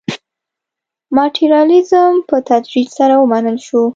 ماټریالیزم په تدریج سره ومنل شو.